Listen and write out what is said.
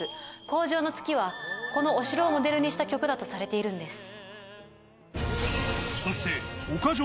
『荒城の月』はこのお城をモデルにした曲だとされているんです。